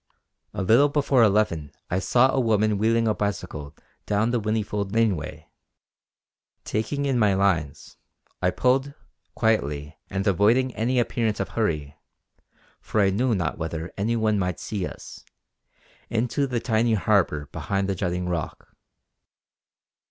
A little before eleven I saw a woman wheeling a bicycle down the Whinnyfold laneway. Taking in my lines, I pulled, quietly and avoiding any appearance of hurry, for I knew not whether any one might see us, into the tiny harbour behind the jutting rock.